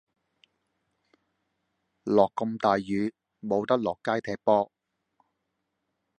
落咁大雨，無得落街踢波。